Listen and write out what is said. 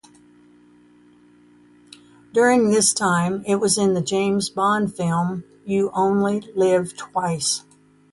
During this time it was in the James Bond film "You Only Live Twice".